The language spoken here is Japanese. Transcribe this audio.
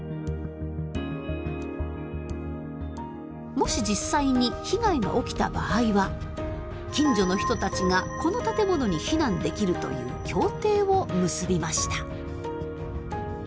もし実際に被害が起きた場合は近所の人たちがこの建物に避難できるという協定を結びました。